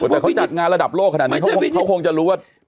แต่เขาจัดงานระดับโลกขนาดนี้เขาคงจะรู้ว่า